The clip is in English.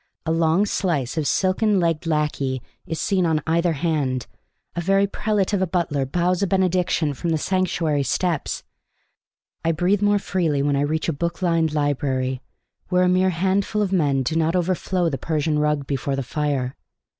A long slice of silken legged lackey is seen on either hand; a very prelate of a butler bows a benediction from the sanctuary steps. I breathe more freely when I reach a book lined library where a mere handful of men do not overflow the Persian rug before the fire.